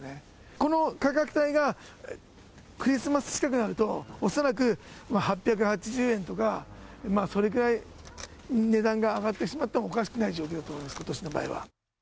この価格帯が、クリスマス近くになると、恐らく８８０円とか、それくらい、値段が上がってしまってもおかしくない状況だと思います、ことしの場合は。